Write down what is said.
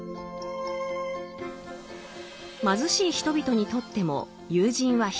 貧しい人々にとっても友人は必要だ。